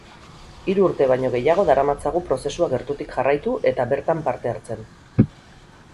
Hiru urte baino gehiago daramatzagu prozesua gertutik jarraitu eta bertan parte hartzen.